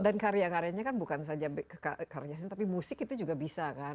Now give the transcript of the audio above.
dan karya karyanya kan bukan saja karya seni tapi musik itu juga bisa kan